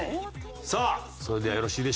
さあそれではよろしいでしょうか？